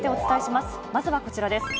まずはこちらです。